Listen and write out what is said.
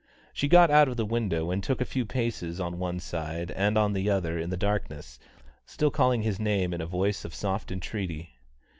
She got out of the window and took a few paces on one side and on the other in the darkness, still calling his name in a voice of soft entreaty.